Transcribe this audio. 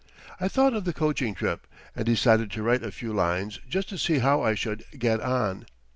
I thought of the coaching trip, and decided to write a few lines just to see how I should get on.